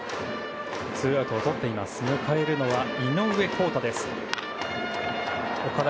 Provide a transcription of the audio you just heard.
迎えるのは井上広大です。